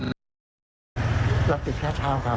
รับติดแค่เช้าครับ